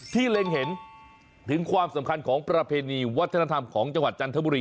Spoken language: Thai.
เล็งเห็นถึงความสำคัญของประเพณีวัฒนธรรมของจังหวัดจันทบุรี